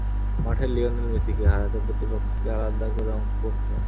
মাঠের লিওনেল মেসিকে হারাতে প্রতিপক্ষকে আলাদা করে অঙ্ক কষতে হয়।